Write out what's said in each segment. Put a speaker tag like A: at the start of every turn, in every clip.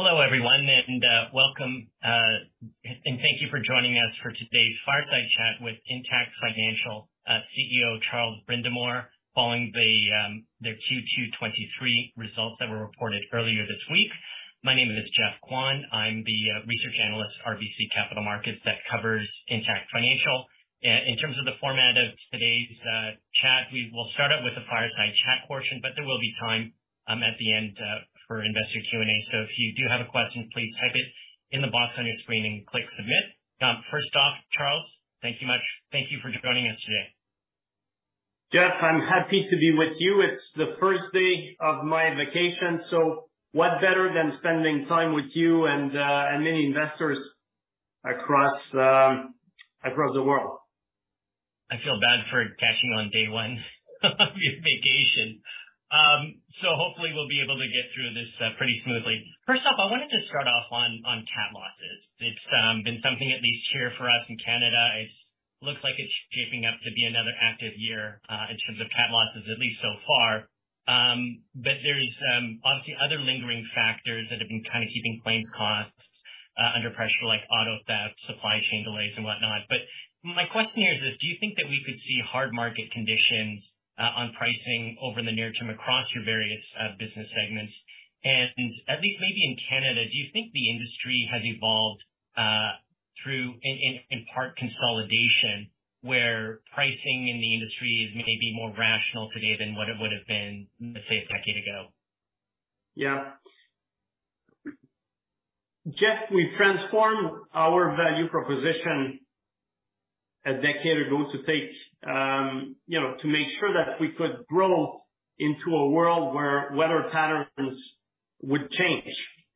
A: Hello, everyone, welcome, and thank you for joining us for today's Fireside Chat with Intact Financial CEO, Charles Brindamour, following their Q2 2023 results that were reported earlier this week. My name is Geoff Kwan. I'm the research analyst, RBC Capital Markets, that covers Intact Financial. In terms of the format of today's chat, we will start out with the Fireside Chat portion, but there will be time at the end for investor Q&A. If you do have a question, please type it in the box on your screen and click Submit. First off, Charles, thank you for joining us today.
B: Geoff, I'm happy to be with you. It's the first day of my vacation, so what better than spending time with you and many investors across the world?
A: I feel bad for catching you on day one of your vacation. Hopefully we'll be able to get through this pretty smoothly. First off, I wanted to start off on CAT losses. It's been something at least here for us in Canada, it looks like it's shaping up to be another active year in terms of CAT losses, at least so far. There's obviously other lingering factors that have been kind of keeping claims costs under pressure, like auto theft, supply chain delays and whatnot. My question here is this: do you think that we could see hard market conditions on pricing over the near term, across your various business segments? At least maybe in Canada, do you think the industry has evolved in part consolidation, where pricing in the industry is maybe more rational today than what it would have been, let's say, a decade ago?
B: Yeah, Geoff, we transformed our value proposition a decade ago to take, you know, to make sure that we could grow into a world where weather patterns would change.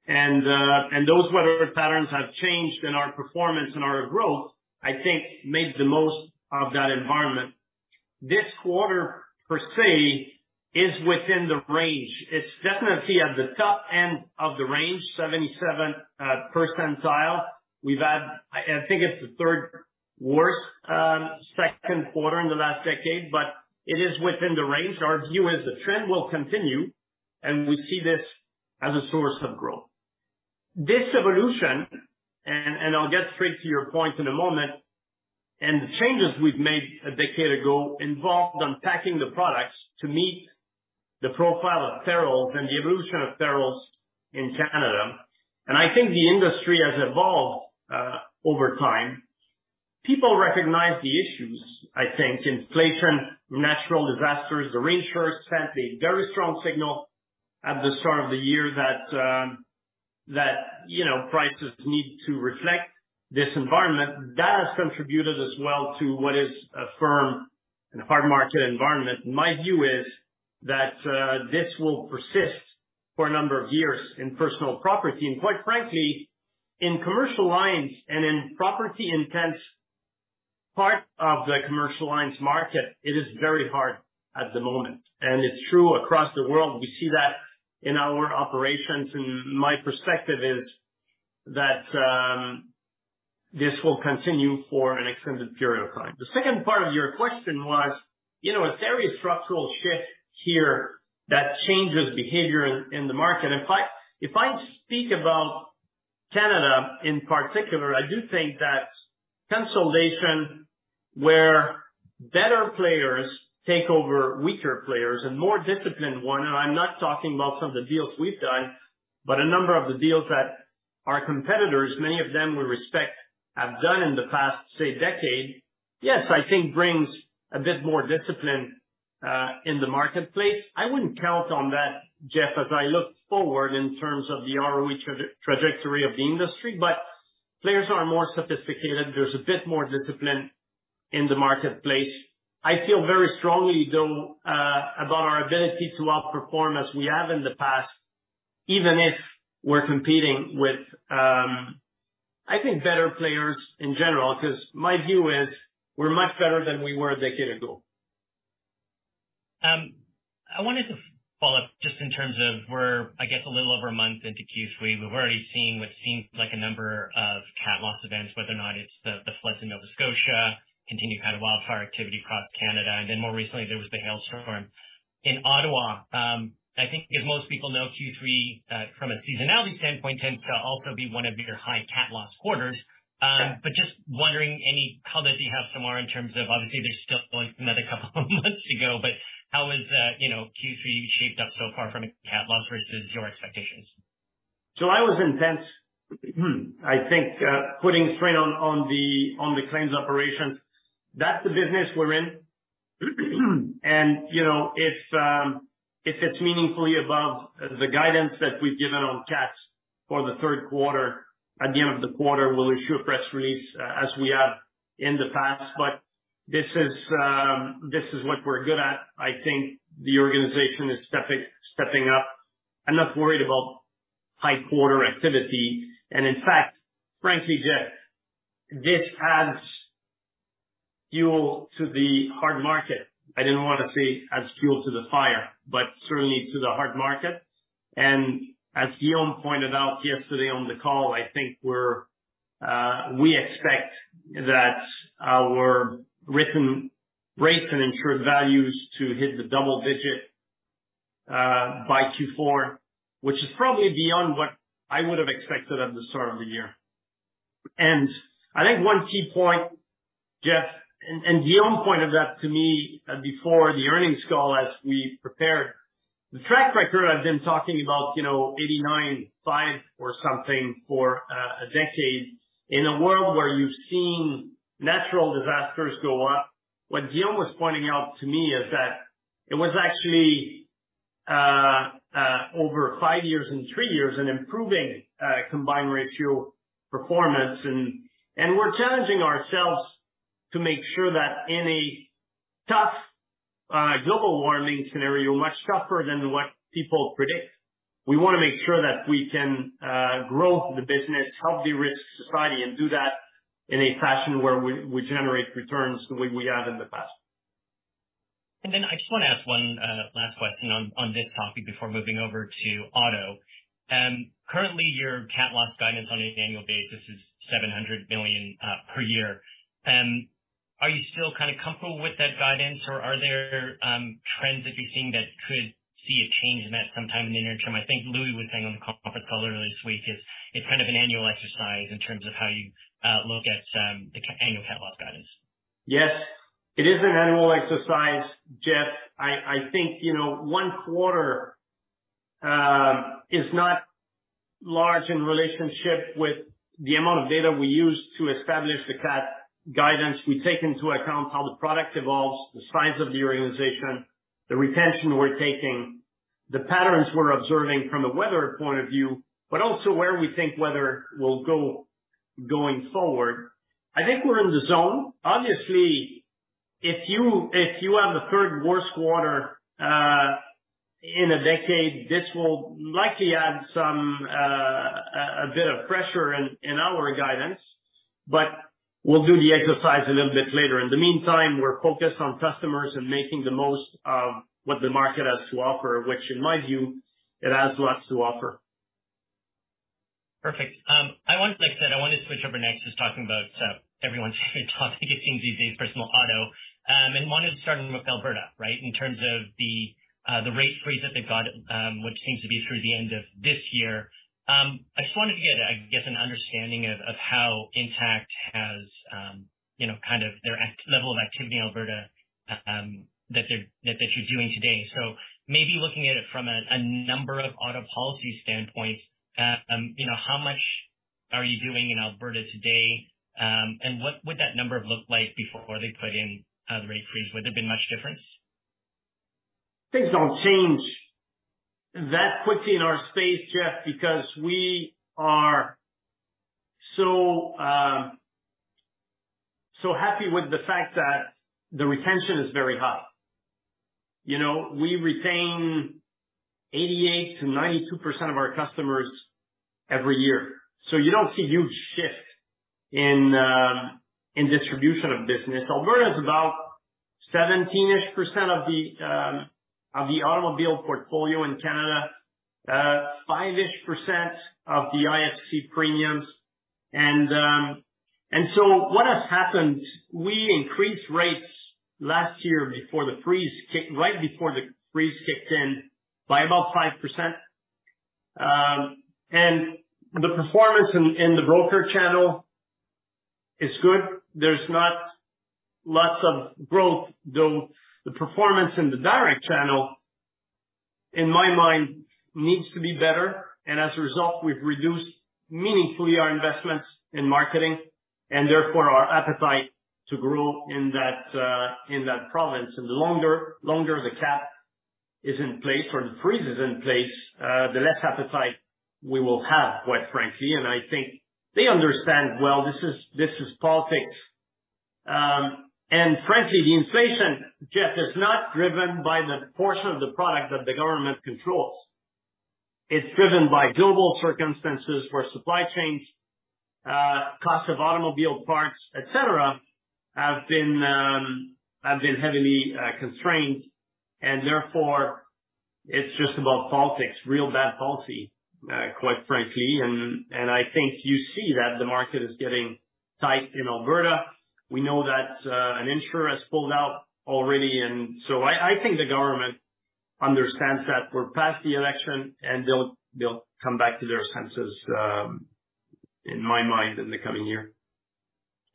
B: Those weather patterns have changed, and our performance and our growth, I think made the most of that environment. This quarter, per se, is within the range. It's definitely at the top end of the range, 77th percentile. We've had, I think it's the third worst second quarter in the last decade, but it is within the range. Our view is the trend will continue, and we see this as a source of growth. This evolution, and I'll get straight to your point in a moment, and the changes we've made a decade ago, involved unpacking the products to meet the profile of perils and the evolution of perils in Canada, and I think the industry has evolved over time. People recognize the issues, I think, inflation, natural disasters, the reinsurers sent a very strong signal at the start of the year that, you know, prices need to reflect this environment. That has contributed as well to what is a firm and a hard market environment. My view is that this will persist for a number of years in personal property, and quite frankly, in commercial lines and in property-intense part of the commercial lines market, it is very hard at the moment, and it's true across the world. We see that in our operations, my perspective is that this will continue for an extended period of time. The second part of your question was, you know, a very structural shift here that changes behavior in the market. If I speak about Canada, in particular, I do think that consolidation, where better players take over weaker players and more disciplined one, and I'm not talking about some of the deals we've done, but a number of the deals that our competitors, many of them we respect, have done in the past, say, decade, yes, I think brings a bit more discipline in the marketplace. I wouldn't count on that, Geoff, as I look forward in terms of the ROE trajectory of the industry, but players are more sophisticated. There's a bit more discipline in the marketplace. I feel very strongly, though, about our ability to outperform as we have in the past, even if we're competing with, I think, better players in general, 'cause my view is we're much better than we were a decade ago.
A: I wanted to follow up just in terms of we're, I guess, a little over a month into Q3, we've already seen what seems like a number of CAT loss events, whether or not it's the floods in Nova Scotia, continued kind of wildfire activity across Canada. More recently, there was the hailstorm in Ottawa. I think as most people know, Q3, from a seasonality standpoint, tends to also be one of your high CAT loss quarters.
B: Yeah.
A: Just wondering, any comment you have some more in terms of obviously there's still like another couple of months to go, how is, you know, Q3 shaped up so far from a CAT loss versus your expectations?
B: I was intense. I think, putting strain on the claims operations, that's the business we're in. You know, if it's meaningfully above the guidance that we've given on cats for the third quarter, at the end of the quarter, we'll issue a press release, as we have in the past. This is what we're good at. I think the organization is stepping up. I'm not worried about high quarter activity, and in fact, frankly, Geoff, this adds fuel to the hard market. I didn't want to say adds fuel to the fire, but certainly to the hard market. As Dion pointed out yesterday on the call. We expect that our written rates and insured values to hit the double-digit by Q4, which is probably beyond what I would have expected at the start of the year. I think one key point, Geoff, and Dion pointed that to me before the earnings call as we prepared, the track record I've been talking about, you know, 89.5% or something for a decade. A world where you've seen natural disasters go up, what Dion was pointing out to me is that it was actually over five years and three years, an improving combined ratio performance. We're challenging ourselves to make sure that in a tough global warming scenario, much tougher than what people predict, we wanna make sure that we can grow the business, help de-risk society, and do that in a fashion where we generate returns the way we have in the past.
A: I just wanna ask one last question on this topic before moving over to auto. Currently, your CAT loss guidance on an annual basis is $700 billion per year. Are you still kind of comfortable with that guidance, or are there trends that you're seeing that could see a change in that sometime in the near term? I think Louis was saying on the conference call earlier this week, is it's kind of an annual exercise in terms of how you look at the annual CAT loss guidance.
B: Yes, it is an annual exercise, Geoff. I think, you know, one quarter is not large in relationship with the amount of data we use to establish the cat guidance. We take into account how the product evolves, the size of the organization, the retention we're taking, the patterns we're observing from a weather point of view, but also where we think weather will go going forward. I think we're in the zone. Obviously, if you, if you have the third worst quarter in a decade, this will likely add some a bit of pressure in our guidance, but we'll do the exercise a little bit later. In the meantime, we're focused on customers and making the most of what the market has to offer, which in my view, it has lots to offer.
A: Perfect. Like I said, I want to switch over next, just talking about everyone's favorite topic it seems these days, personal auto. Wanted to start with Alberta, right? In terms of the rate freeze that they've got, which seems to be through the end of this year. I just wanted to get, I guess, an understanding of how Intact has, you know, kind of their level of activity in Alberta that you're doing today. Maybe looking at it from a number of auto policy standpoints, you know, how much are you doing in Alberta today? What would that number have looked like before they put in the rate freeze? Would there have been much difference?
B: Things don't change that quickly in our space, Geoff, because we are so happy with the fact that the retention is very high. You know, we retain 88%-92% of our customers every year, so you don't see huge shift in distribution of business. Alberta is about 17-ish% of the automobile portfolio in Canada, 5-ish% of the IFC premiums. What has happened, we increased rates last year right before the freeze kicked in by about 5%. The performance in the broker channel is good. There's not lots of growth, though the performance in the direct channel, in my mind, needs to be better. As a result, we've reduced meaningfully our investments in marketing, and therefore, our appetite to grow in that province. The longer the cap is in place or the freeze is in place, the less appetite we will have, quite frankly. I think they understand well, this is politics. Frankly, the inflation, Geoff, is not driven by the portion of the product that the government controls. It's driven by global circumstances, where supply chains, costs of automobile parts, et cetera, have been heavily constrained, and therefore, it's just about politics. Real bad policy, quite frankly, and I think you see that the market is getting tight in Alberta. We know that an insurer has pulled out already, I think the government understands that we're past the election, and they'll come back to their senses in my mind, in the coming year.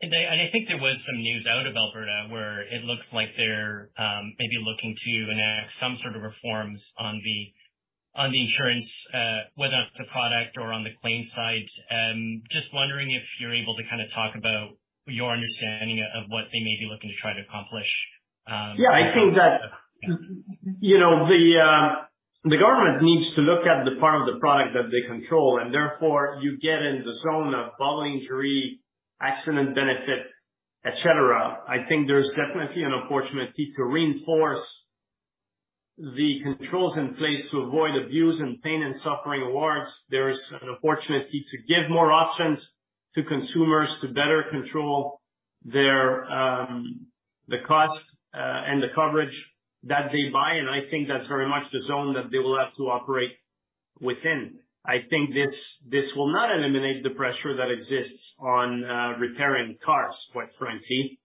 A: I think there was some news out of Alberta where it looks like they're maybe looking to enact some sort of reforms on the insurance, whether on the product or on the claims side. Just wondering if you're able to kind of talk about your understanding of what they may be looking to try to accomplish?
B: Yeah, I think that, you know, the government needs to look at the part of the product that they control, and therefore you get in the zone of bodily injury, accident benefit, et cetera. I think there's definitely an opportunity to reinforce the controls in place to avoid abuse and pain and suffering awards. There is an opportunity to give more options to consumers to better control their the cost and the coverage that they buy, and I think that's very much the zone that they will have to operate within. I think this will not eliminate the pressure that exists on repairing cars, quite frankly.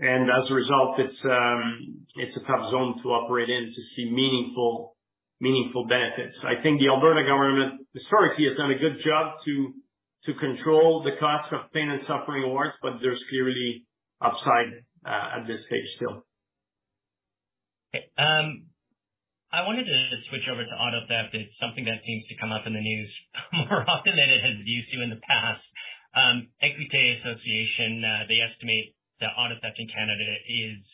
B: As a result, it's a tough zone to operate in to see meaningful benefits. I think the Alberta government, historically, has done a good job to control the cost of pain and suffering awards. There's clearly upside at this stage still.
A: I wanted to switch over to auto theft. It's something that seems to come up in the news more often than it has used to in the past. Équité Association, they estimate that auto theft in Canada is,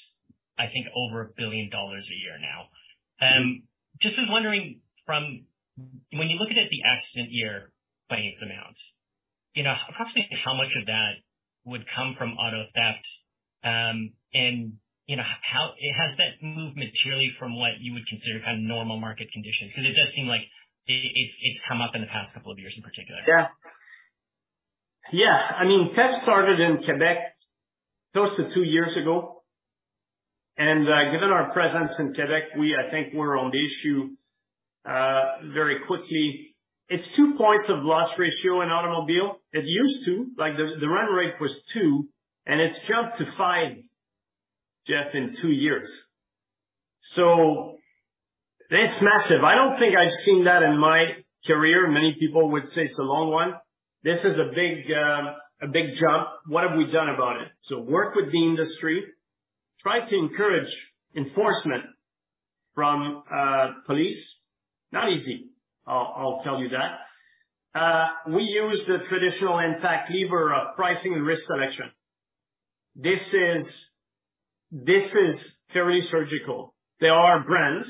A: I think, over $1 billion a year now. Just was wondering from when you look at it, the accident year by amounts, you know, approximately how much of that would come from auto theft? You know, how has that moved materially from what you would consider kind of normal market conditions? Because it does seem like it's, it's come up in the past couple of years in particular.
B: Yeah. Yeah. I mean, theft started in Quebec close to two years ago. Given our presence in Quebec, I think we're on the issue very quickly. It's two points of loss ratio in automobile. It used to, like, the run rate was two, it's jumped to five, Geoff, in two years. It's massive. I don't think I've seen that in my career. Many people would say it's a long one. This is a big jump. What have we done about it? Worked with the industry, tried to encourage enforcement from police. Not easy, I'll tell you that. We use the traditional Intact lever, pricing and risk selection. This is very surgical. There are brands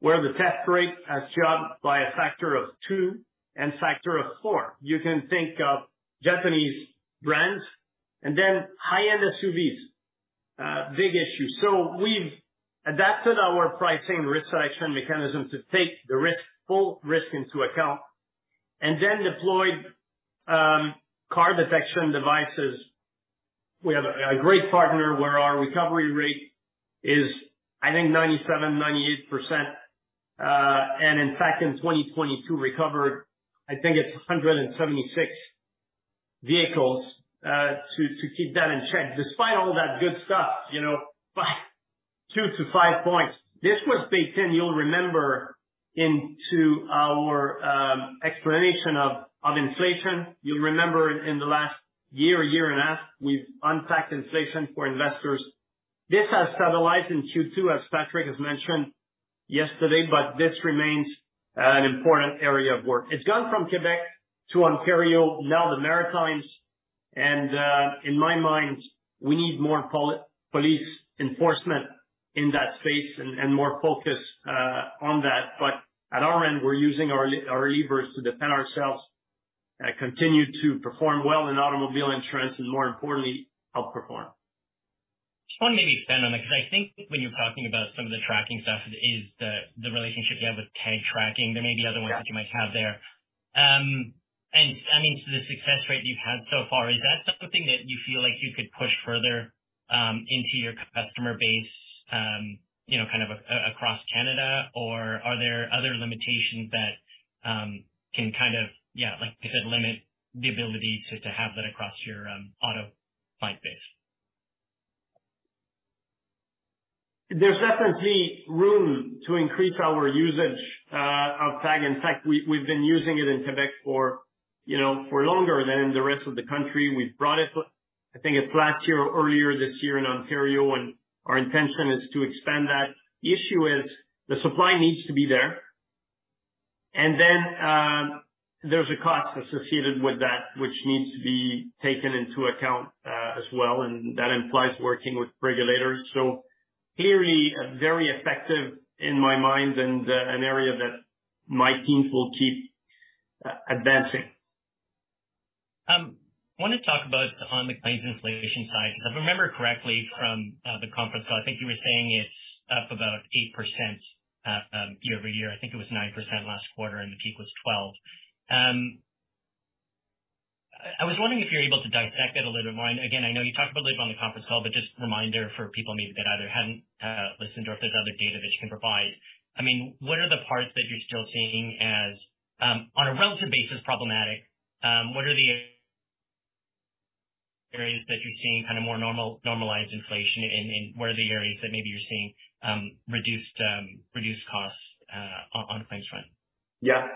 B: where the theft rate has jumped by a factor of two and factor of four. You can think of Japanese brands and then high-end SUVs, big issue. We've adapted our pricing risk selection mechanism to take the risk, full risk into account, and then deployed car detection devices. We have a great partner where our recovery rate is, I think, 97%, 98%. In fact, in 2022, recovered, I think it's 176 vehicles to keep that in check. Despite all that good stuff, you know, two-five points. This was baked in, you'll remember, into our explanation of inflation. You'll remember in the last year and a half, we've unpacked inflation for investors. This has stabilized in Q2, as Patrick has mentioned yesterday. This remains an important area of work. It's gone from Quebec to Ontario, now the Maritimes, and in my mind, we need more police enforcement in that space and more focus on that. At our end, we're using our levers to defend ourselves and continue to perform well in automobile insurance, and more importantly, outperform.
A: Just want to maybe expand on that, 'cause I think when you're talking about some of the tracking stuff, is the relationship you have with Tag Tracking, there may be other ones that you might have there. I mean, so the success rate you've had so far, is that something that you feel like you could push further, into your customer base, you know, kind of across Canada? Are there other limitations that can kind of, yeah, like I said, limit the ability to have that across your auto client base?
B: There's definitely room to increase our usage of Tag. In fact, we've been using it in Quebec for, you know, for longer than in the rest of the country. We've brought it, I think it's last year or earlier this year in Ontario. Our intention is to expand that. The issue is the supply needs to be there. Then, there's a cost associated with that, which needs to be taken into account as well. That implies working with regulators. Clearly, very effective in my mind and an area that my teams will keep advancing.
A: Want to talk about on the claims inflation side, because if I remember correctly from the conference call, I think you were saying it's up about 8% year-over-year. I think it was 9% last quarter, and the peak was 12. I was wondering if you're able to dissect it a little bit more. Again, I know you talked about it on the conference call, but just a reminder for people maybe that either hadn't listened or if there's other data that you can provide. I mean, what are the parts that you're still seeing as on a relative basis, problematic? What are the areas that you're seeing kind of more normalized inflation, and what are the areas that maybe you're seeing reduced costs on a claims front?
B: Yeah.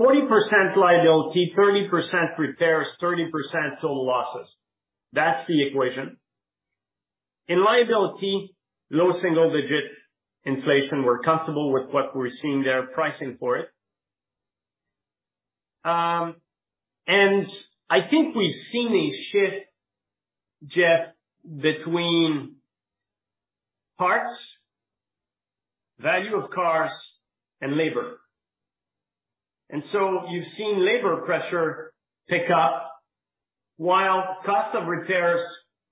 B: 40% liability, 30% repairs, 30% total losses. That's the equation. In liability, low single digit inflation. We're comfortable with what we're seeing there, pricing for it. I think we've seen a shift, Geoff, between parts, value of cars, and labor. You've seen labor pressure pick up while cost of repairs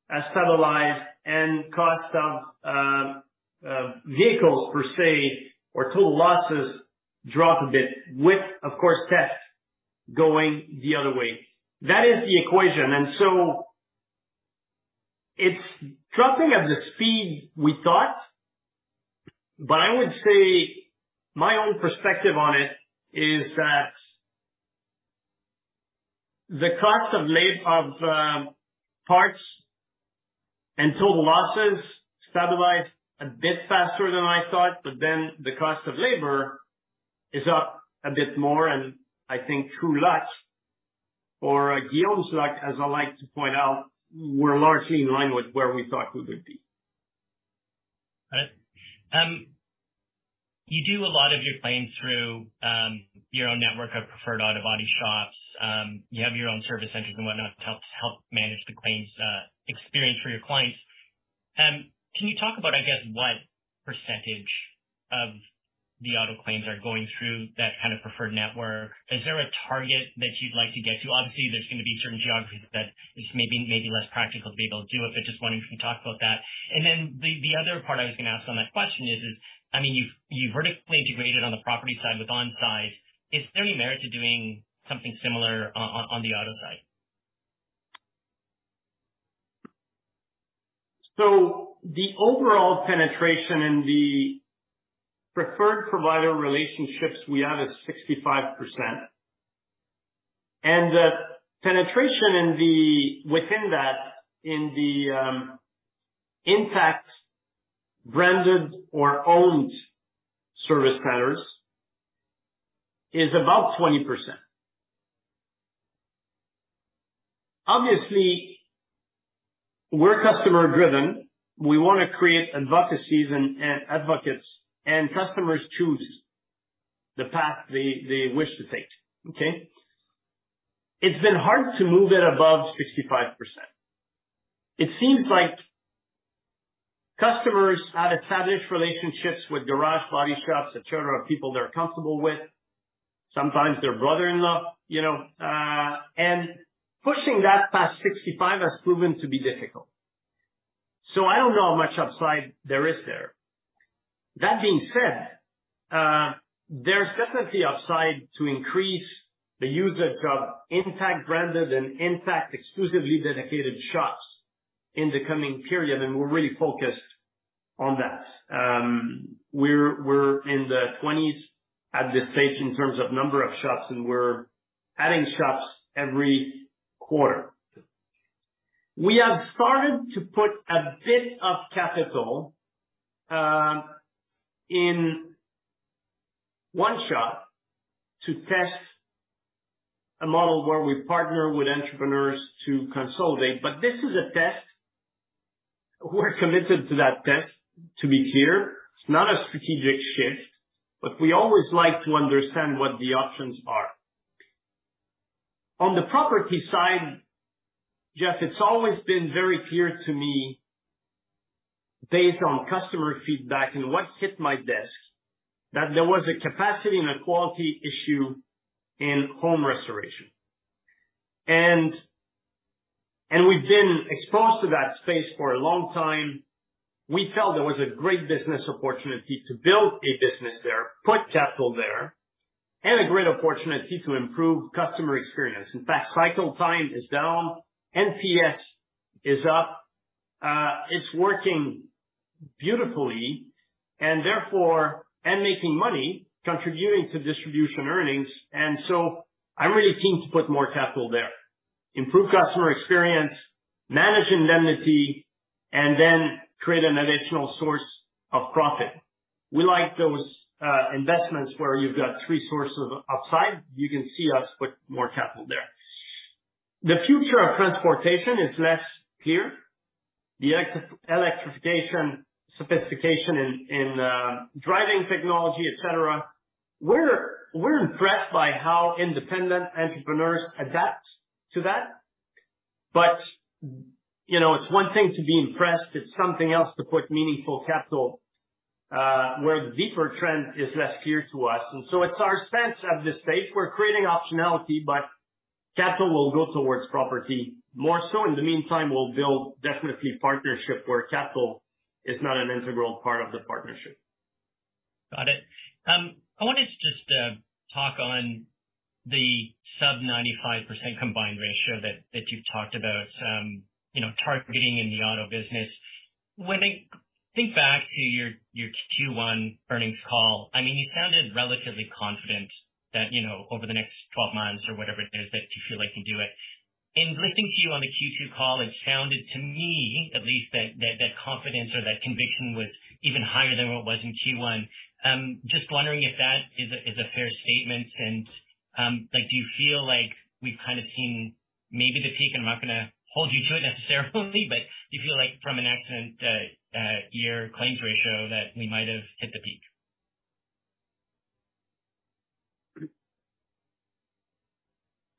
B: has stabilized and cost of vehicles per se, or total losses drop a bit with, of course, theft, going the other way. That is the equation. It's dropping at the speed we thought. I would say my own perspective on it is that the cost of parts and total losses stabilized a bit faster than I thought. The cost of labor is up a bit more. I think through luck or guilt, like, as I like to point out, we're largely in line with where we thought we would be.
A: Right. You do a lot of your claims through your own network of preferred auto body shops. You have your own service centers and whatnot, to help manage the claims experience for your clients. Can you talk about, I guess, what percentage of the auto claims are going through that kind of preferred network? Is there a target that you'd like to get to? Obviously, there's gonna be certain geographies that this may be less practical to be able to do it, but just wondering if you can talk about that. The other part I was gonna ask on that question is, I mean, you've vertically integrated on the property side with On Side. Is there any merit to doing something similar on the auto side?
B: The overall penetration in the preferred provider relationships we have is 65%. The penetration in within that, in the Intact branded or owned service centers is about 20%. Obviously, we're customer driven. We want to create advocacies and advocates, and customers choose the path they wish to take. Okay? It's been hard to move it above 65%. It seems like customers have established relationships with garage body shops, et cetera, people they're comfortable with, sometimes their brother-in-law, you know, and pushing that past 65 has proven to be difficult. I don't know how much upside there is there. That being said, there's definitely upside to increase the use of Intact branded and Intact exclusively dedicated shops in the coming period, and we're really focused on that. We're in the 20s at this stage in terms of number of shops, and we're adding shops every quarter. We have started to put a bit of capital in one shop to test a model where we partner with entrepreneurs to consolidate, but this is a test. We're committed to that test, to be clear. It's not a strategic shift, but we always like to understand what the options are. On the property side, Geoff, it's always been very clear to me, based on customer feedback and what hit my desk, that there was a capacity and a quality issue in home restoration. We've been exposed to that space for a long time. We felt there was a great business opportunity to build a business there, put capital there, and a great opportunity to improve customer experience. In fact, cycle time is down, NPS is up. It's working beautifully, making money, contributing to distribution earnings. I'm really keen to put more capital there. Improve customer experience, manage indemnity, and then create an additional source of profit. We like those investments where you've got three sources of upside. You can see us put more capital there. The future of transportation is less clear. Electrification, sophistication in driving technology, et cetera, we're impressed by how independent entrepreneurs adapt to that. You know, it's one thing to be impressed, it's something else to put meaningful capital where the deeper trend is less clear to us. It's our stance at this stage. We're creating optionality, but capital will go towards property more so. In the meantime, we'll build definitely partnership where capital is not an integral part of the partnership.
A: Got it. I wanted to just talk on the sub-95% combined ratio that you've talked about, you know, targeting in the auto business. When I think back to your Q1 earnings call, I mean, you sounded relatively confident that, you know, over the next 12 months or whatever it is, that you feel like you can do it. In listening to you on the Q2 call, it sounded, to me at least, that confidence or that conviction was even higher than what was in Q1. Just wondering if that is a fair statement and, like, do you feel like we've kind of seen maybe the peak? I'm not gonna hold you to it necessarily, but do you feel like from an accident year claims ratio, that we might have hit the peak?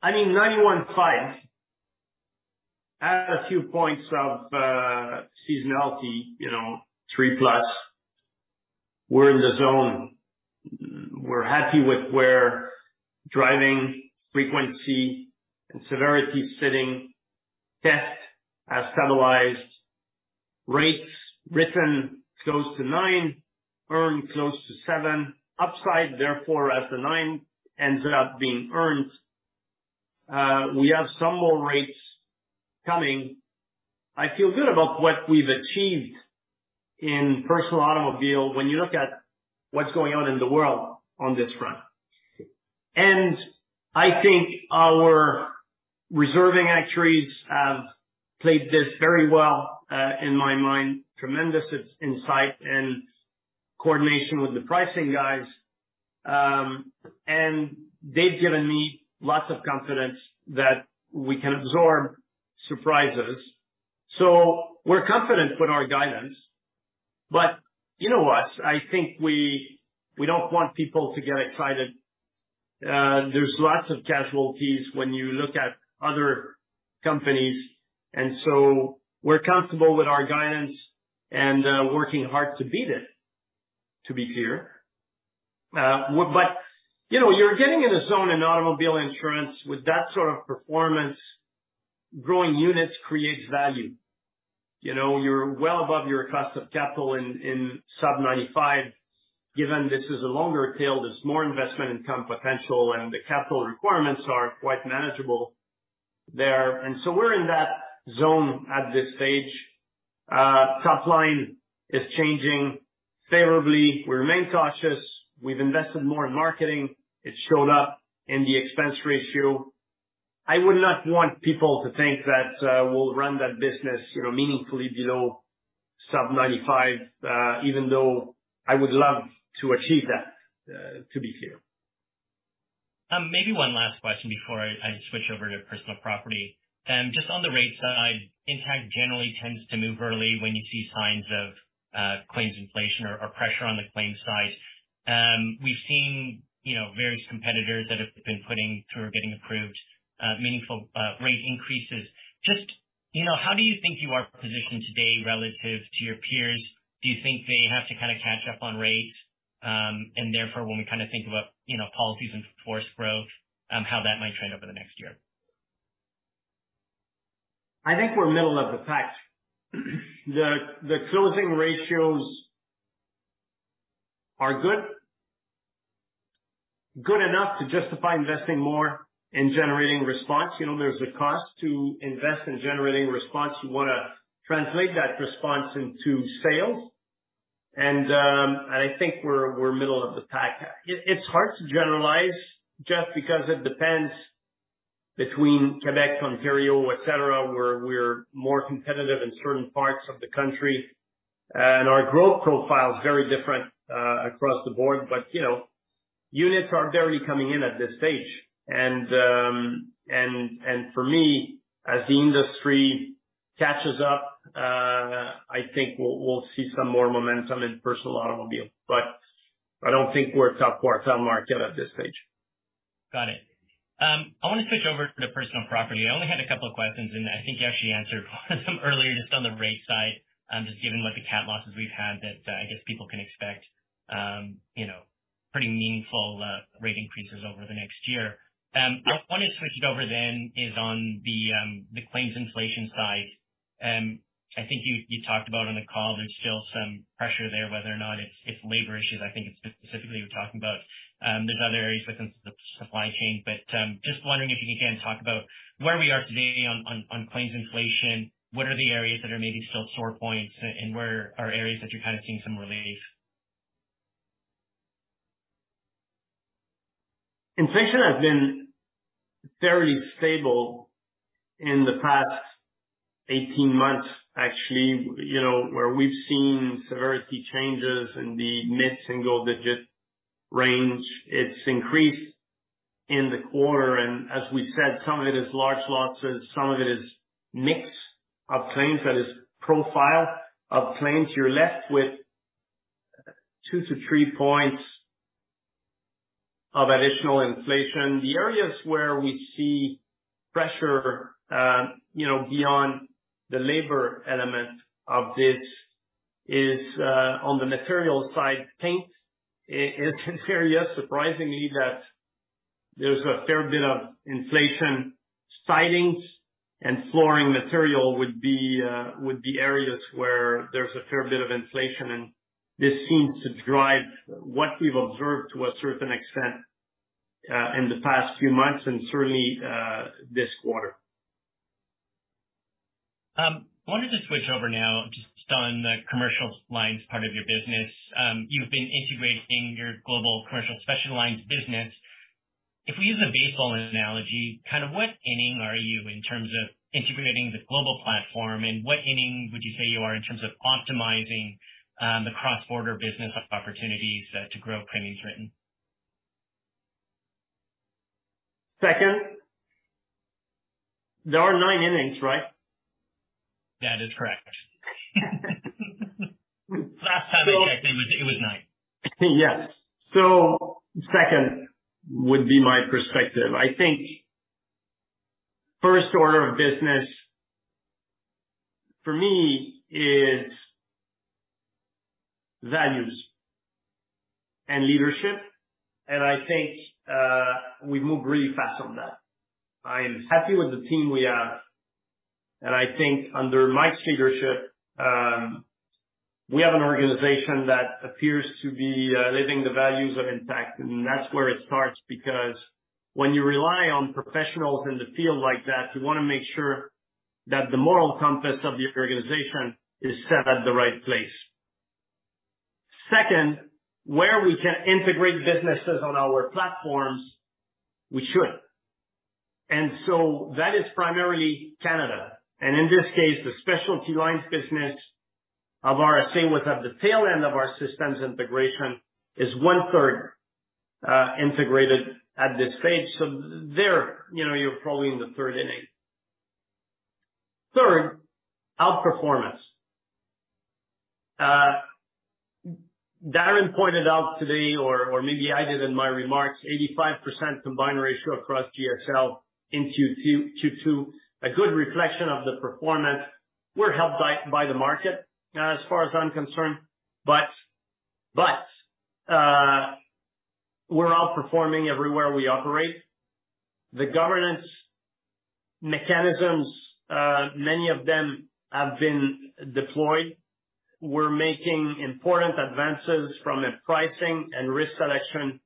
B: I mean, 91.5%, add a few points of seasonality, you know, 3%+, we're in the zone. We're happy with where driving frequency and severity is sitting. Theft has stabilized. Rates written close to 9%, earned close to 7%, upside therefore, as the 9% ends up being earned, we have some more rates coming. I feel good about what we've achieved in personal automobile when you look at what's going on in the world on this front. I think our reserving actuaries have played this very well, in my mind, tremendous insight and coordination with the pricing guys. They've given me lots of confidence that we can absorb surprises. We're confident with our guidance, but you know us, I think we don't want people to get excited. There's lots of casualties when you look at other companies. We're comfortable with our guidance and working hard to beat it, to be clear. You know, you're getting in a zone in automobile insurance with that sort of performance, growing units creates value. You know, you're well above your cost of capital in sub-95%. Given this is a longer tail, there's more investment income potential. The capital requirements are quite manageable there. We're in that zone at this stage. Top line is changing favorably. We remain cautious. We've invested more in marketing. It showed up in the expense ratio. I would not want people to think that we'll run that business, you know, meaningfully below sub-95%, even though I would love to achieve that, to be clear.
A: Maybe one last question before I switch over to personal property. Just on the rate side, Intact generally tends to move early when you see signs of claims inflation or pressure on the claims side. We've seen, you know, various competitors that have been putting through or getting approved, meaningful rate increases. Just, you know, how do you think you are positioned today relative to your peers? Do you think they have to kind of catch up on rates? Therefore, when we kind of think about, you know, policies and force growth, how that might trend over the next year.
B: I think we're middle of the pack. The, the closing ratios are good. Good enough to justify investing more in generating response. You know, there's a cost to invest in generating response. You wanna translate that response into sales, and I think we're middle of the pack. It, it's hard to generalize just because it depends between Quebec, Ontario, et cetera, we're more competitive in certain parts of the country, and our growth profile is very different across the board, but, you know, units are barely coming in at this stage. For me, as the industry catches up, I think we'll see some more momentum in personal automobile, but I don't think we're top quartile market at this stage.
A: Got it. I wanna switch over to personal property. I only had a couple of questions, I think you actually answered one of them earlier, just on the rate side. Just given what the CAT losses we've had, that I guess people can expect, you know, pretty meaningful rate increases over the next year. I want to switch it over then, is on the claims inflation side. I think you talked about on the call, there's still some pressure there, whether or not it's labor issues, I think specifically you're talking about, there's other areas within the supply chain, but just wondering if you can again talk about where we are today on claims inflation, what are the areas that are maybe still sore points, and where are areas that you're kind of seeing some relief?
B: Inflation has been very stable in the past 18 months, actually, you know, where we've seen severity changes in the mid-single digit range. It's increased in the quarter, and as we said, some of it is large losses, some of it is mix of claims, that is profile of claims. You're left with two to three points of additional inflation. The areas where we see pressure, you know, beyond the labor element of this is on the material side, paint is an area, surprisingly, that there's a fair bit of inflation. Sidings and flooring material would be areas where there's a fair bit of inflation, and this seems to drive what we've observed to a certain extent, in the past few months and certainly, this quarter.
A: I wanted to switch over now, just on the commercial lines part of your business. You've been integrating your global commercial special lines business. If we use a baseball analogy, kind of what inning are you in terms of integrating the global platform? What inning would you say you are in terms of optimizing the cross-border business opportunities to grow premiums written?
B: Second. There are nine innings, right?
A: That is correct. Last time I checked, it was nine.
B: Second would be my perspective. I think first order of business for me values and leadership, and I think we've moved really fast on that. I'm happy with the team we have, and I think under my leadership, we have an organization that appears to be living the values of Intact, and that's where it starts. Because when you rely on professionals in the field like that, you wanna make sure that the moral compass of your organization is set at the right place. Second, where we can integrate businesses on our platforms, we should, and so that is primarily Canada, and in this case, the specialty lines business of RSA was at the tail end of our systems integration, is 1/3 integrated at this stage. There, you know, you're probably in the third inning. Third, outperformance. Darren pointed out today, or maybe I did in my remarks, 85% combined ratio across GSL in Q2, a good reflection of the performance. We're helped by the market, as far as I'm concerned, we're outperforming everywhere we operate. The governance mechanisms, many of them have been deployed. We're making important advances from a pricing and risk selection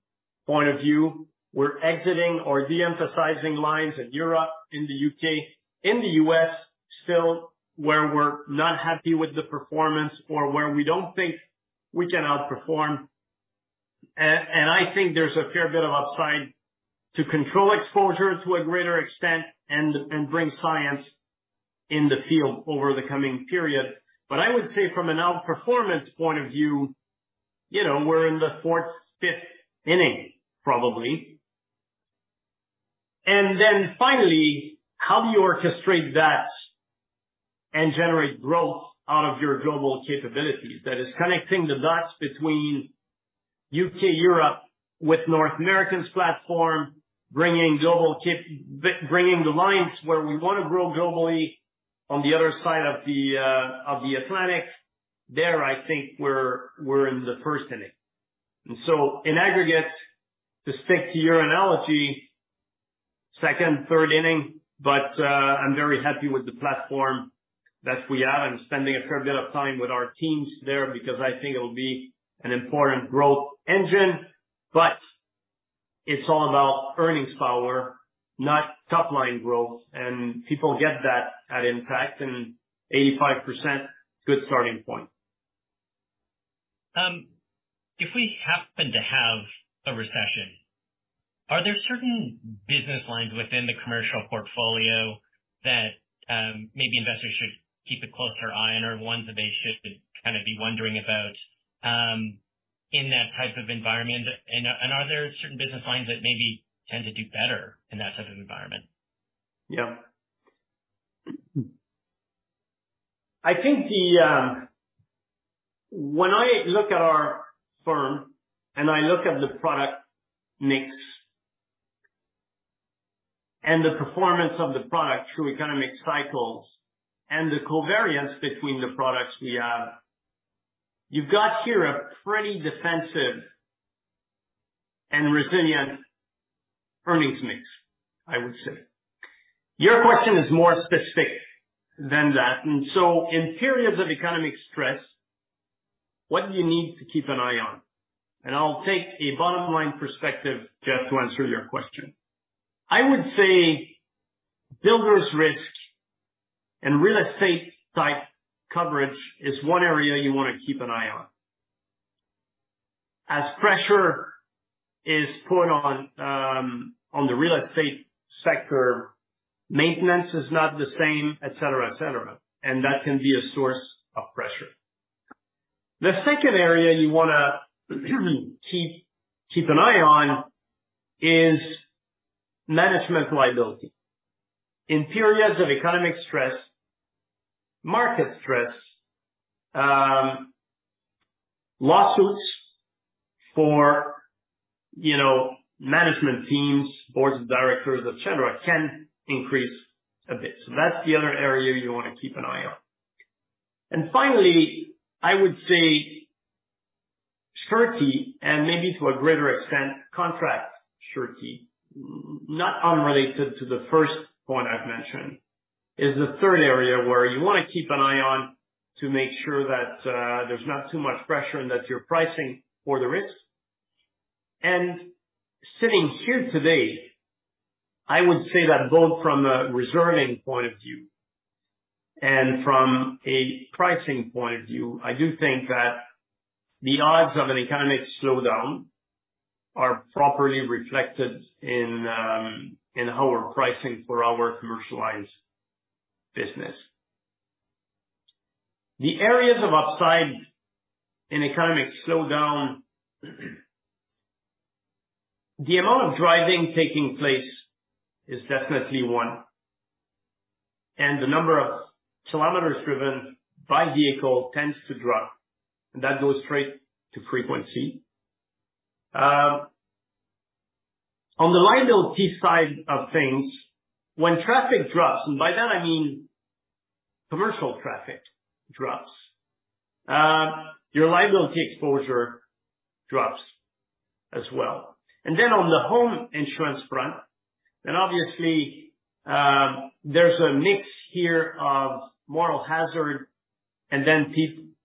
B: point of view. We're exiting or de-emphasizing lines in Europe, in the U.K., in the U.S. still, where we're not happy with the performance or where we don't think we can outperform. I think there's a fair bit of upside to control exposure to a greater extent and bring science in the field over the coming period. I would say from an outperformance point of view, you know, we're in the fourth, fifth inning, probably. Finally, how do you orchestrate that and generate growth out of your global capabilities? That is, connecting the dots between U.K., Europe with North America's platform, bringing global bringing the lines where we wanna grow globally on the other side of the Atlantic. There, I think we're in the first inning. In aggregate, to stick to your analogy, second, third inning, but I'm very happy with the platform that we have and spending a fair bit of time with our teams there, because I think it'll be an important growth engine. It's all about earnings power, not top line growth, People get that at Intact, 85%, good starting point.
A: If we happen to have a recession, are there certain business lines within the commercial portfolio that, maybe investors should keep a closer eye on, or ones that they should kind of be wondering about, in that type of environment? Are there certain business lines that maybe tend to do better in that type of environment?
B: Yeah. I think the... When I look at our firm, and I look at the product mix, and the performance of the product through economic cycles and the covariance between the products we have, you've got here a pretty defensive and resilient earnings mix, I would say. Your question is more specific than that. In periods of economic stress, what do you need to keep an eye on? I'll take a bottom line perspective, Geoff, to answer your question. I would say builders risk and real estate type coverage is one area you want to keep an eye on. As pressure is put on the real estate sector, maintenance is not the same, et cetera, et cetera, and that can be a source of pressure. The second area you wanna keep an eye on is management liability. In periods of economic stress, market stress, lawsuits for, you know, management teams, boards of directors, et cetera, can increase a bit, so that's the other area you want to keep an eye on. Finally, I would say surety, and maybe to a greater extent, contract surety, not unrelated to the first point I've mentioned, is the third area where you want to keep an eye on to make sure that there's not too much pressure and that you're pricing for the risk. Sitting here today, I would say that both from a reserving point of view and from a pricing point of view, I do think that the odds of an economic slowdown are properly reflected in our pricing for our commercialized business. The areas of upside in economic slowdown, the amount of driving taking place is definitely one, and the number of kilometers driven by vehicle tends to drop, and that goes straight to frequency. On the liability side of things, when traffic drops, and by that I mean commercial traffic drops, your liability exposure drops as well. On the home insurance front, obviously, there's a mix here of moral hazard, and then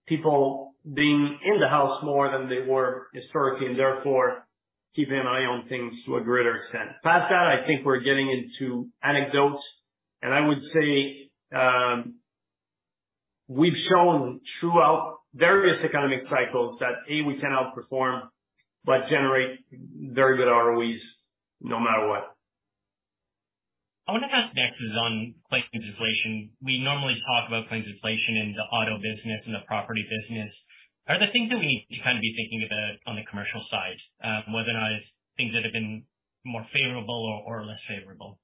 B: people being in the house more than they were historically, and therefore, keeping an eye on things to a greater extent. Past that, I think we're getting into anecdotes, I would say, we've shown throughout various economic cycles that, A, we can outperform, but generate very good ROEs no matter what.
A: I wanna ask next is on claims inflation. We normally talk about claims inflation in the auto business, in the property business. Are there things that we need to kind of be thinking about on the commercial side, whether or not it's things that have been more favorable or less favorable?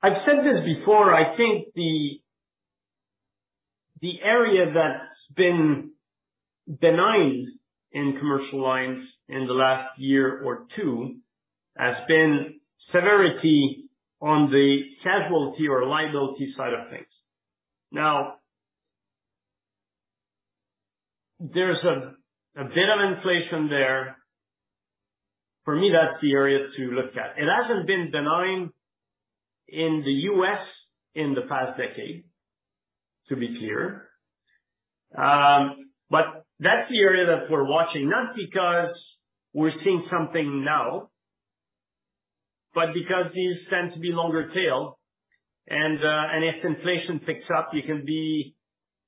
B: I've said this before, I think the area that's been benign in commercial lines in the last year or two, has been severity on the casualty or liability side of things. There's a bit of inflation there. For me, that's the area to look at. It hasn't been benign in the U.S. in the past decade, to be clear. That's the area that we're watching, not because we're seeing something now, because these tend to be longer tail, and if inflation picks up, you can be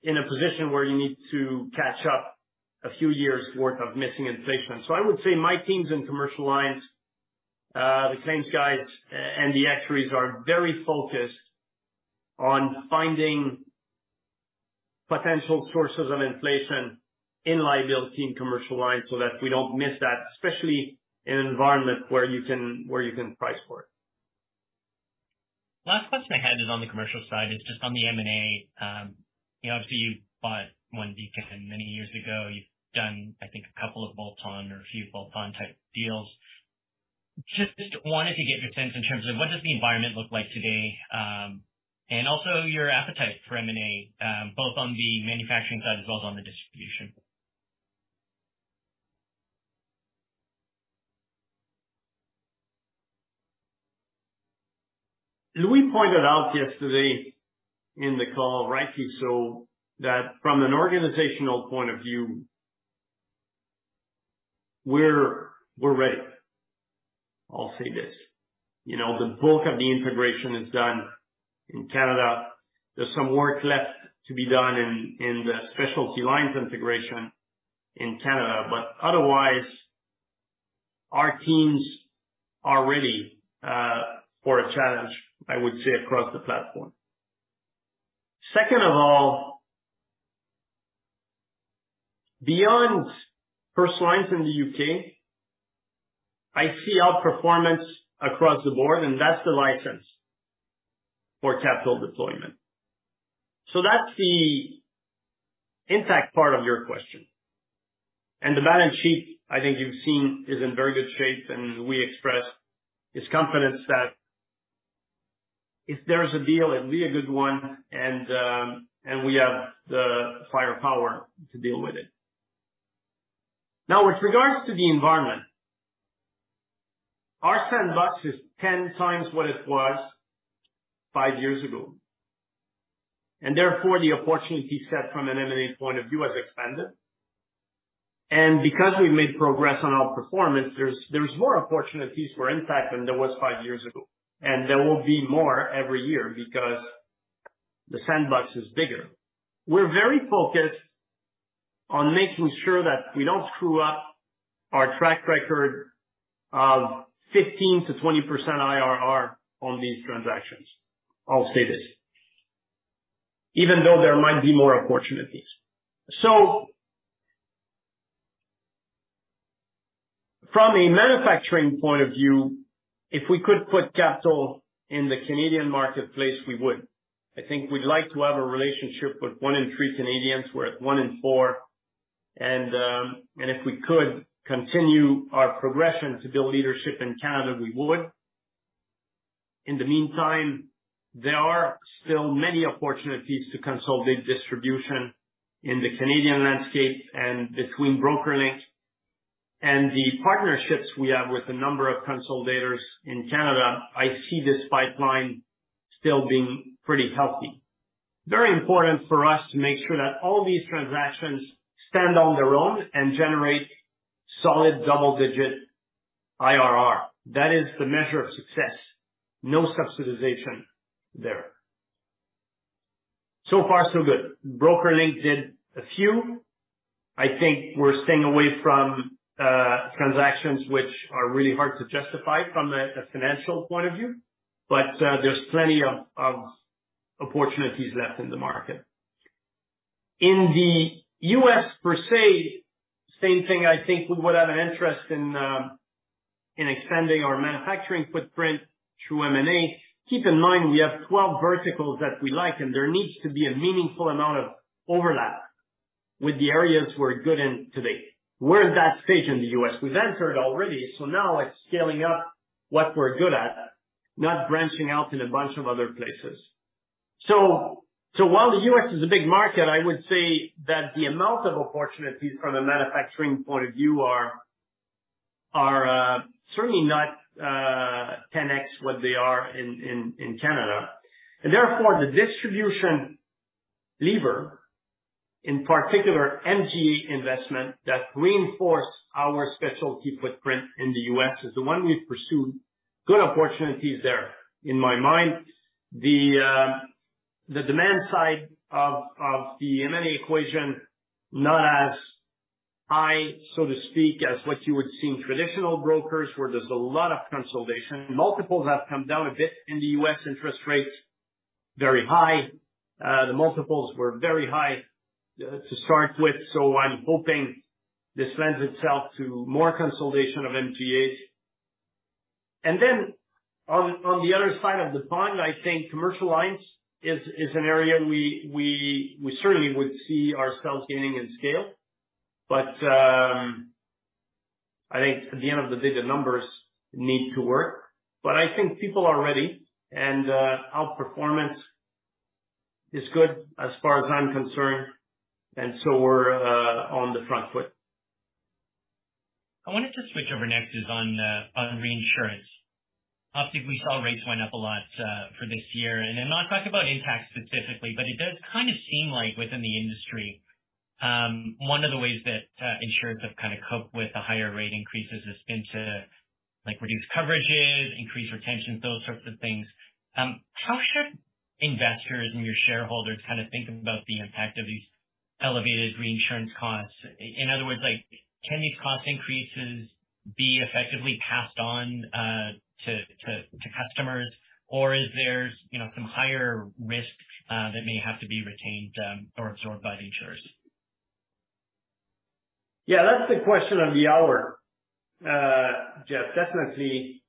B: in a position where you need to catch up a few years' worth of missing inflation. I would say my teams in commercial lines, the claims guys and the actuaries, are very focused on finding potential sources of inflation in liability and commercial lines so that we don't miss that, especially in an environment where you can, where you can price for it.
A: Last question I had is on the commercial side, is just on the M&A. you know, obviously you bought OneBeacon many years ago. You've done, I think, a couple of bolt-on or a few bolt-on type deals. Just wanted to get your sense in terms of what does the environment look like today, and also your appetite for M&A, both on the manufacturing side as well as on the distribution?
B: Louis pointed out yesterday in the call, rightly so, that from an organizational point of view, we're ready. I'll say this, you know, the bulk of the integration is done in Canada. There's some work left to be done in the specialty lines integration in Canada, but otherwise, our teams are ready for a challenge, I would say, across the platform. Second of all, beyond personal lines in the U.K., I see outperformance across the board, and that's the license for capital deployment. That's the Intact part of your question. The balance sheet, I think you've seen, is in very good shape, and we expressed this confidence that if there's a deal, it'd be a good one, and we have the firepower to deal with it. With regards to the environment, our sandbox is 10 times what it was five years ago, therefore, the opportunity set from an M&A point of view has expanded. Because we've made progress on outperformance, there's more opportunities for Intact than there was five years ago, there will be more every year because the sandbox is bigger. We're very focused on making sure that we don't screw up our track record of 15%-20% IRR on these transactions, I'll say this, even though there might be more opportunities. From a manufacturing point of view, if we could put capital in the Canadian marketplace, we would. I think we'd like to have a relationship with one in three Canadians, we're at one in four, if we could continue our progression to build leadership in Canada, we would. In the meantime, there are still many opportunities to consolidate big distribution in the Canadian landscape. Between BrokerLink and the partnerships we have with a number of consolidators in Canada, I see this pipeline still being pretty healthy. Very important for us to make sure that all these transactions stand on their own and generate solid double-digit IRR. That is the measure of success. No subsidization there. So far, so good. BrokerLink did a few. I think we're staying away from transactions which are really hard to justify from a financial point of view. There's plenty of opportunities left in the market. In the U.S., per se, same thing, I think we would have an interest in... in expanding our manufacturing footprint through M&A, keep in mind, we have 12 verticals that we like, and there needs to be a meaningful amount of overlap with the areas we're good in today. We're that stage in the U.S. We've entered already, now it's scaling up what we're good at, not branching out in a bunch of other places. While the U.S is a big market, I would say that the amount of opportunities from a manufacturing point of view are certainly not 10x what they are in Canada. Therefore, the distribution lever, in particular MGA investment that reinforce our specialty footprint in the U.S., is the one we've pursued. Good opportunities there. In my mind, the demand side of the M&A equation, not as high, so to speak, as what you would see in traditional brokers, where there's a lot of consolidation. Multiples have come down a bit in the U.S., interest rates very high. The multiples were very high, to start with, so I'm hoping this lends itself to more consolidation of MGAs. On the other side of the pond, I think commercial alliance is an area we certainly would see ourselves gaining in scale. I think at the end of the day, the numbers need to work. I think people are ready, our performance is good as far as I'm concerned, we're on the front foot.
A: I wanted to switch over next is on reinsurance. Obviously, we saw rates went up a lot for this year. Not talk about Intact specifically, but it does kind of seem like within the industry, one of the ways that insurers have kind of coped with the higher rate increases has been to, like, reduce coverages, increase retention, those sorts of things. How should investors and your shareholders kind of think about the impact of these elevated reinsurance costs? In other words, like, can these cost increases be effectively passed on to customers? Is there, you know, some higher risk that may have to be retained or absorbed by the insurers?
B: Yeah, that's the question of the hour, Geoff, definitely.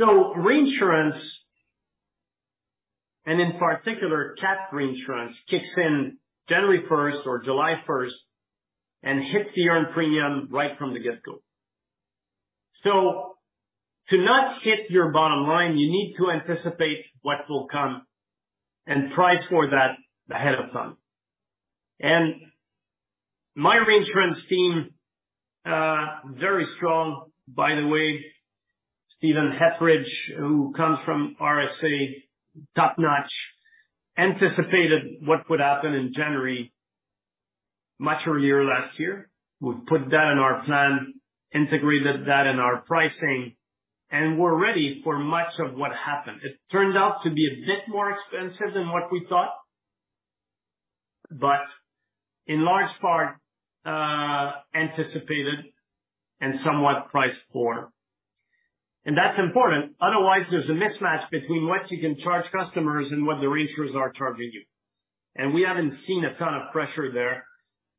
B: Reinsurance, and in particular, cat reinsurance, kicks in January 1st or July 1st, and hits the earned premium right from the get-go. To not hit your bottom line, you need to anticipate what will come and price for that ahead of time. And my reinsurance team, very strong, by the way, Steven Hetherington, who comes from RSA Insurance Group, top-notch, anticipated what would happen in January, much earlier last year. We've put that in our plan, integrated that in our pricing, and we're ready for much of what happened. It turned out to be a bit more expensive than what we thought, but in large part, anticipated and somewhat priced for. That's important, otherwise, there's a mismatch between what you can charge customers and what the reinsurers are charging you, and we haven't seen a ton of pressure there.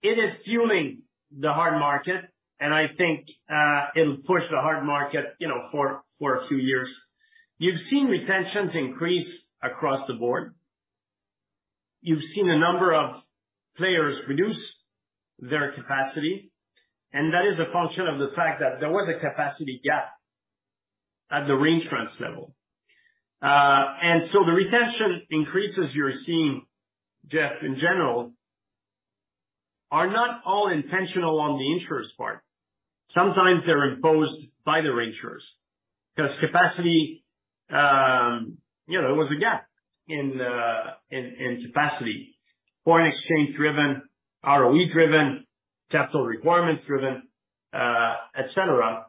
B: It is fueling the hard market, and I think, it'll push the hard market, you know, for a few years. You've seen retentions increase across the board. You've seen a number of players reduce their capacity, and that is a function of the fact that there was a capacity gap at the reinsurance level. The retention increases you're seeing, Geoff, in general, are not all intentional on the insurer's part. Sometimes they're imposed by the reinsurers, because capacity, you know, there was a gap in capacity, foreign exchange driven, ROE driven, capital requirements driven, et cetera.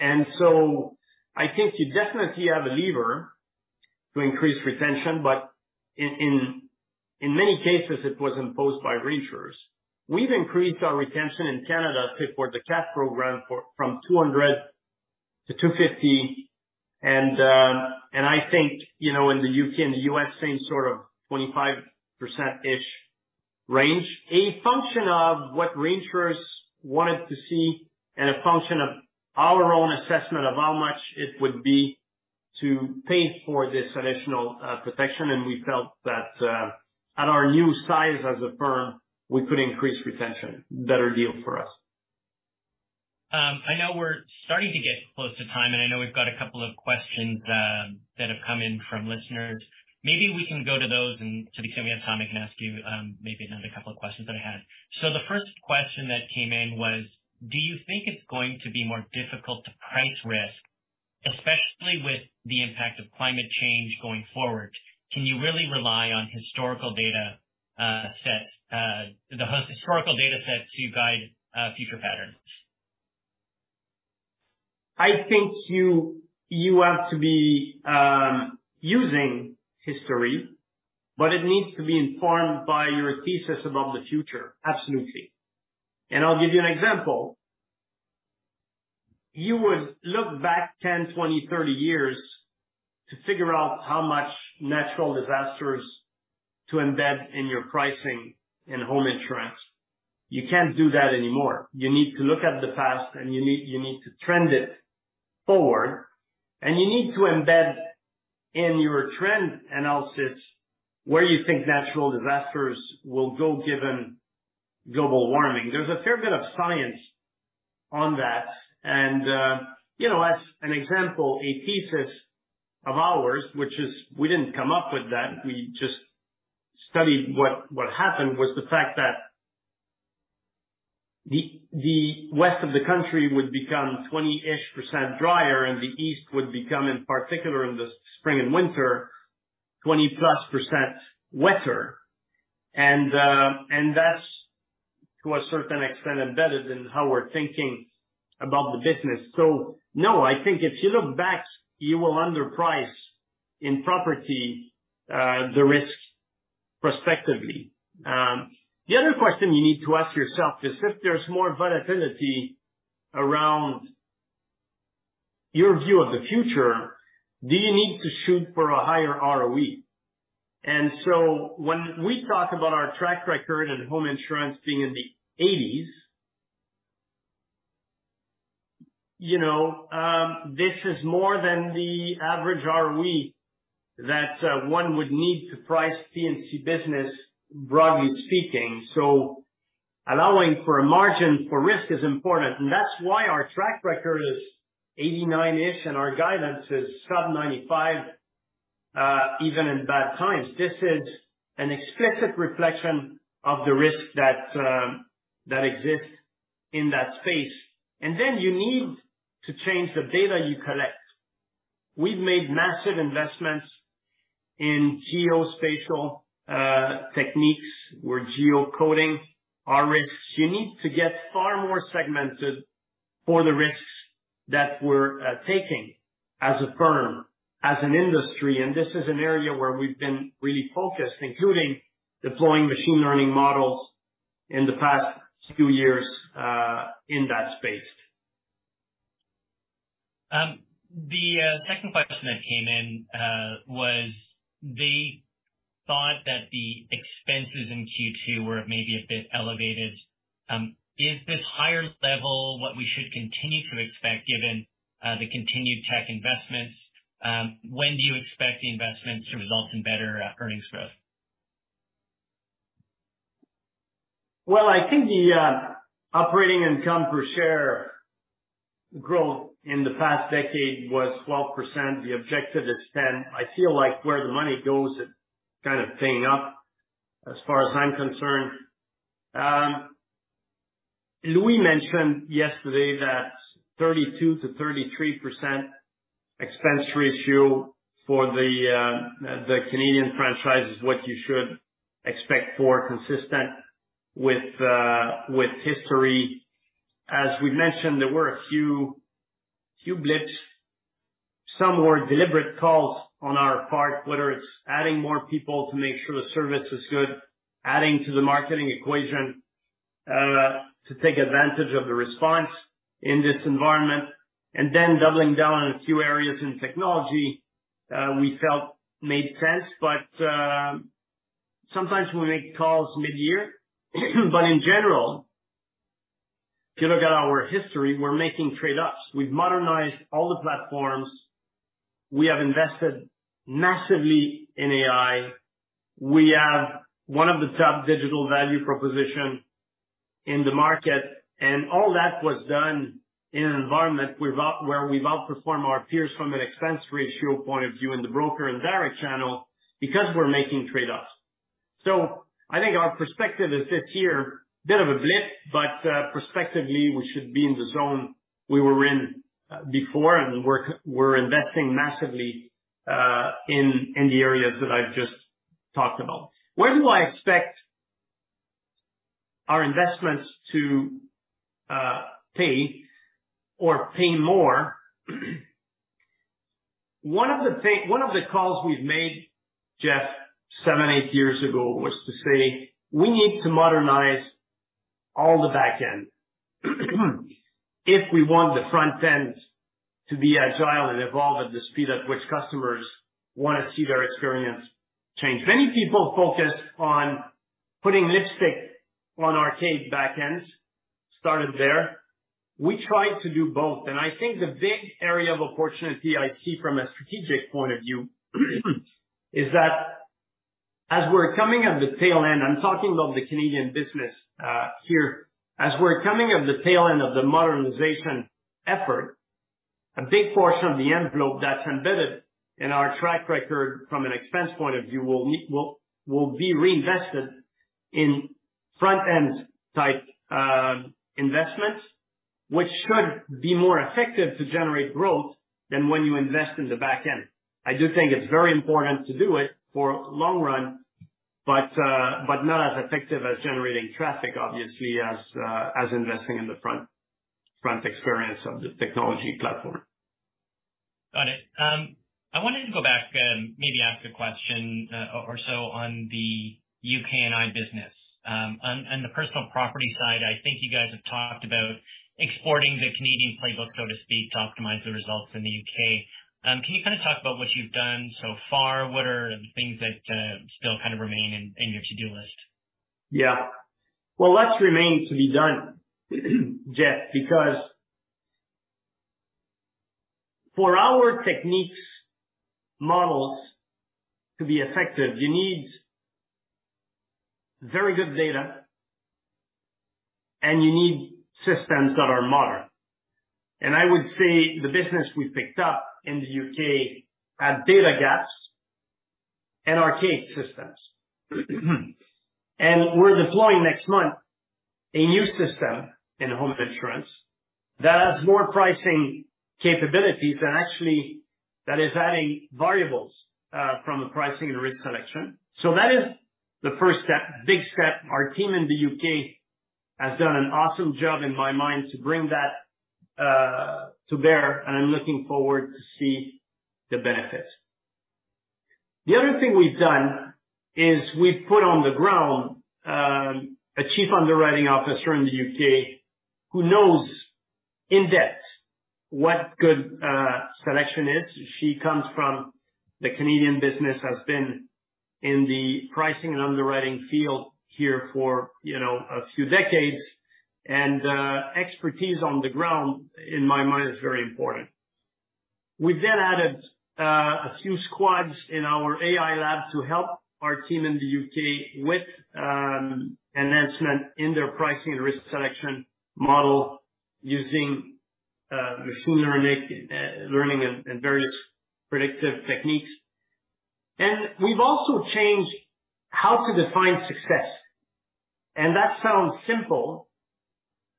B: I think you definitely have a lever to increase retention, but in many cases, it was imposed by reinsurers. We've increased our retention in Canada for the cat program from 200 to 250, and I think, you know, in the U.K. and the U.S., same sort of 25%-ish range. A function of what reinsurers wanted to see and a function of our own assessment of how much it would be to pay for this additional protection, we felt that at our new size as a firm, we could increase retention. Better deal for us.
A: I know we're starting to get close to time. I know we've got a couple of questions that have come in from listeners. Maybe we can go to those and to be sure we have time, I can ask you maybe another couple of questions that I had. The first question that came in was: Do you think it's going to be more difficult to price risk, especially with the impact of climate change going forward? Can you really rely on historical data sets, the historical data sets to guide future patterns?
B: I think you have to be using history, but it needs to be informed by your thesis about the future. Absolutely. I'll give you an example. You would look back 10, 20, 30 years to figure out how much natural disasters to embed in your pricing in home insurance. You can't do that anymore. You need to look at the past, and you need to trend it forward, and you need to embed in your trend analysis where you think natural disasters will go, given global warming. There's a fair bit of science on that, and, you know, as an example, a thesis of ours, which is we didn't come up with that, we just studied what happened, was the fact that the west of the country would become 20-ish% drier, and the east would become, in particular in the spring and winter, 20+% wetter. That's, to a certain extent, embedded in how we're thinking about the business. No, I think if you look back, you will underprice in property, the risk prospectively. The other question you need to ask yourself is, if there's more volatility around your view of the future, do you need to shoot for a higher ROE? When we talk about our track record and home insurance being in the 80s, you know, this is more than the average ROE that one would need to price P&C business, broadly speaking. Allowing for a margin for risk is important, and that's why our track record is 89%-ish, and our guidance is sub-95% even in bad times. This is an explicit reflection of the risk that exists in that space. Then you need to change the data you collect. We've made massive investments in geospatial techniques. We're geocoding our risks. You need to get far more segmented for the risks that we're taking as a firm, as an industry, and this is an area where we've been really focused, including deploying machine learning models in the past few years in that space.
A: The second question that came in was the thought that the expenses in Q2 were maybe a bit elevated. Is this higher level what we should continue to expect, given the continued tech investments? When do you expect the investments to result in better earnings growth?
B: I think the operating income per share growth in the past decade was 12%. The objective is 10. I feel like where the money goes, it kind of paying up as far as I'm concerned. Louis mentioned yesterday that 32%-33% expense ratio for the Canadian franchise is what you should expect for consistent with history. As we've mentioned, there were a few blips, some more deliberate calls on our part, whether it's adding more people to make sure the service is good, adding to the marketing equation to take advantage of the response in this environment, and then doubling down on a few areas in technology, we felt made sense. Sometimes we make calls mid-year. In general, if you look at our history, we're making trade-offs. We've modernized all the platforms. We have invested massively in AI. We have one of the top digital value proposition in the market, all that was done in an environment where we've outperformed our peers from an expense ratio point of view in the broker and direct channel, because we're making trade-offs. I think our perspective is this year, bit of a blip, but prospectively, we should be in the zone we were in before, and we're investing massively in the areas that I've just talked about. When do I expect our investments to pay or pay more? One of the calls we've made, Geoff, seven, eight years ago, was to say, we need to modernize all the back end, if we want the front end to be agile and evolve at the speed at which customers wanna see their experience change. Many people focused on putting lipstick on archaic back ends, started there. We tried to do both. I think the big area of opportunity I see from a strategic point of view, is that as we're coming at the tail end, I'm talking about the Canadian business, here. As we're coming of the tail end of the modernization effort, a big portion of the envelope that's embedded in our track record from an expense point of view, will be reinvested in front-end type investments, which should be more effective to generate growth than when you invest in the back end. I do think it's very important to do it for long run. Not as effective as generating traffic, obviously, as investing in the front experience of the technology platform.
A: Got it. I wanted to go back and maybe ask a question, or so on the UK and I business. On the personal property side, I think you guys have talked about exporting the Canadian playbook, so to speak, to optimize the results in the U.K. Can you kind of talk about what you've done so far? What are the things that still kind of remain in your to-do list?
B: Well, lots remains to be done, Geoff, because for our techniques models to be effective, you need very good data, you need systems that are modern. I would say the business we picked up in the U.K. had data gaps and archaic systems. We're deploying next month a new system in home insurance that has more pricing capabilities than actually, that is adding variables from a pricing and risk selection. That is the first step, big step. Our team in the U.K. has done an awesome job, in my mind, to bring that to bear, I'm looking forward to see the benefits. The other thing we've done is we've put on the ground a chief underwriting officer in the U.K. who knows in depth what good selection is. She comes from the Canadian business, has been in the pricing and underwriting field here for, you know, a few decades, and expertise on the ground, in my mind, is very important. We've then added a few squads in our AI Lab to help our team in the U.K. with enhancement in their pricing and risk selection model using machine learning and various predictive techniques. We've also changed how to define success, and that sounds simple,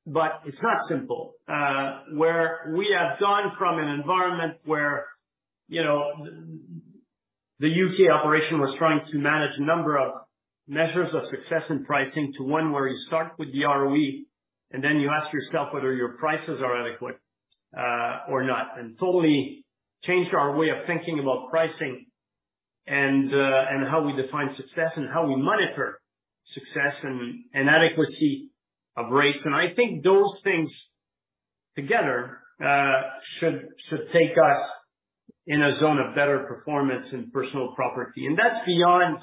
B: but it's not simple. Where we have gone from an environment where, you know, the U.K. operation was trying to manage a number of measures of success and pricing to one where you start with the ROE. Then you ask yourself whether your prices are adequate or not, and totally changed our way of thinking about pricing and how we define success and how we monitor success and adequacy of rates. I think those things together should take us in a zone of better performance in personal property. That's beyond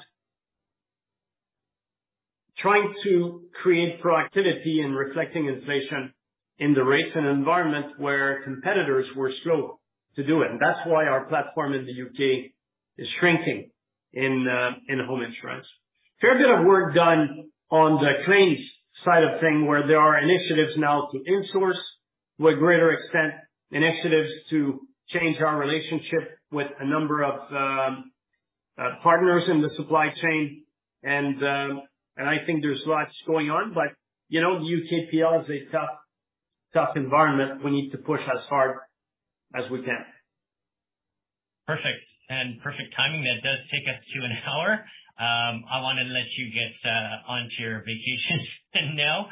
B: trying to create productivity and reflecting inflation in the rates and environment where competitors were slow to do it. That's why our platform in the U.K. is shrinking in home insurance. Fair bit of work done on the claims side of thing, where there are initiatives now to insource with greater extent, initiatives to change our relationship with a number of partners in the supply chain, and I think there's lots going on, but, you know, U.K. PL is a tough environment. We need to push as hard as we can.
A: Perfect, and perfect timing, that does take us to an hour. I wanna let you get onto your vacation now.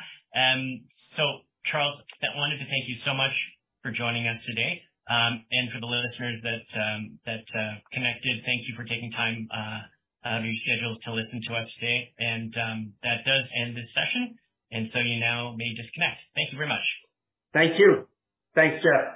A: Charles, I wanted to thank you so much for joining us today, and for the listeners that connected, thank you for taking time out of your schedules to listen to us today. That does end this session, and so you now may disconnect. Thank you very much.
B: Thank you. Thanks, Geoff.